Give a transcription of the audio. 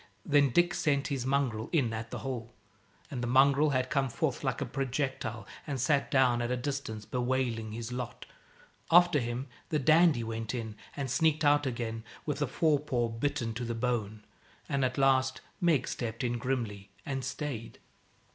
Then Dick sent his mongrel in at the hole, and the mongrel had come forth like a projectile and sat down at a distance, bewailing his lot. After him the Dandie went in and sneaked out again with a fore paw bitten to the bone. And at last Meg stepped in grimly, and stayed.